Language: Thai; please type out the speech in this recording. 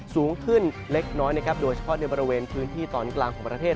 สูงขึ้นเล็กน้อยนะครับโดยเฉพาะในบริเวณพื้นที่ตอนกลางของประเทศ